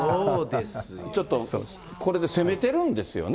ちょっとこれで攻めてるんですよね。